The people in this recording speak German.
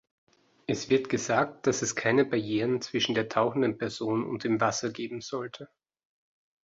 Es wird gesagt, dass es keine Barrieren zwischen der tauchenden Person und dem Wasser geben sollte.